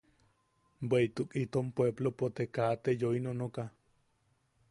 Bweʼituk itom puepplopo te kaa te yoi nonoka.